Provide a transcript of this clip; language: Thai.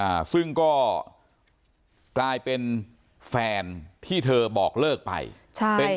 อ่าซึ่งก็กลายเป็นแฟนที่เธอบอกเลิกไปใช่เป็น